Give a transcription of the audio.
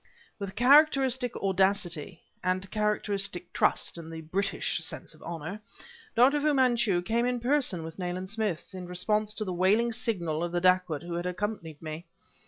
With characteristic audacity and characteristic trust in the British sense of honor Dr. Fu Manchu came in person with Nayland Smith, in response to the wailing signal of the dacoit who had accompanied me.